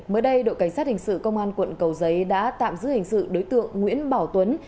mới đây đội cảnh sát hình sự công an quận cầu giấy đã tạm giữ hình sự đối tượng nguyễn bảo tuấn